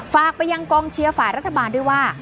ฝากไปยังกองเชียร์ฝ่ายรัฐบาลด้วยว่า